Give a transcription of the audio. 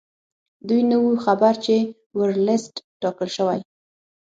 دوی نه وو خبر چې ورلسټ ټاکل شوی.